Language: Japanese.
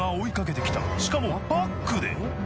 しかもバックで！